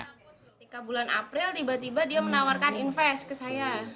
ketika bulan april tiba tiba dia menawarkan invest ke saya